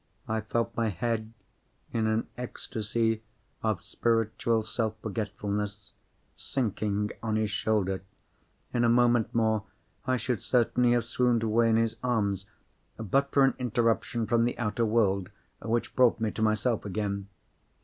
I felt my head, in an ecstasy of spiritual self forgetfulness, sinking on his shoulder. In a moment more I should certainly have swooned away in his arms, but for an interruption from the outer world, which brought me to myself again.